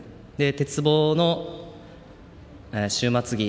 鉄棒の終末技